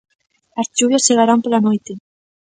As chuvias chegarán pola noite.